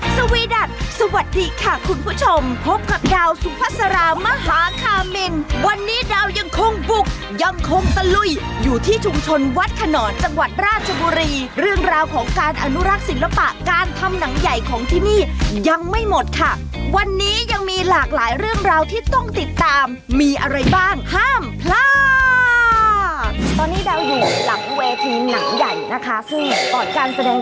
สวีดัทสวัสดีค่ะคุณผู้ชมพบกับดาวสุภาษารามหาคามินวันนี้ดาวยังคงบุกยังคงตะลุยอยู่ที่ชุมชนวัดขนอนจังหวัดราชบุรีเรื่องราวของการอนุรักษ์ศิลปะการทำหนังใหญ่ของที่นี่ยังไม่หมดค่ะวันนี้ยังมีหลากหลายเรื่องราวที่ต้องติดตามมีอะไรบ้างห้ามพลาดตอนนี้ดาวอยู่หลังเวทีหนังใหญ่นะคะซึ่งก่อนการแสดง